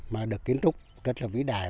mà được kiến trúc rất là vĩ đại